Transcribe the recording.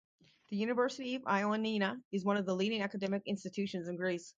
The University of Ioannina is one of the leading academic institutions in Greece.